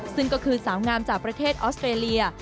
ซึ่งก็คือสาวงามจากประเทศออสเตรเลีย